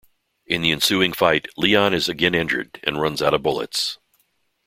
In the ensuing fight, Leon is again injured, and runs out of bullets.